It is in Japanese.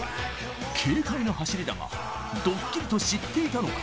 軽快な走りだがドッキリと知っていたのか？